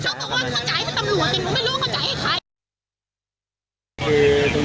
จริงจริงใครมาก่อนจอดก่อนถูกไหมพี่เพราะที่นี่เป็นเทพสามารกษ์